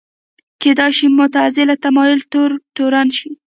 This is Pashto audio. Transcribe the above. کېدای شو معتزله تمایل تور تورن شي